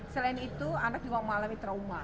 selain itu anak juga mengalami trauma